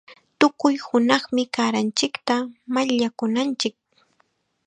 Tukuy hunaqmi kaaranchikta mayllakunanchik.